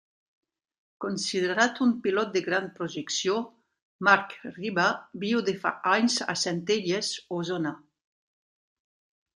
Considerat un pilot de gran projecció, Marc Riba viu de fa anys a Centelles, Osona.